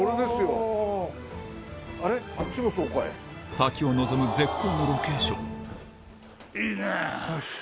滝を望む絶好のロケーションいいね！